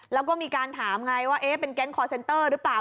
แล้วก็มีการถามไงว่าเป็นแก๊งคอร์เซ็นเตอร์หรือเปล่า